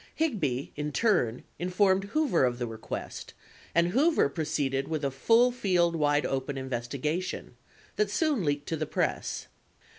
Higby, in turn, informed Hoover of the request, and Hoover proceeded with a "full field wide open investigation" that soon leaked to the press.